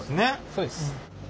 そうです。